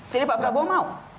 jadi pak prabowo mau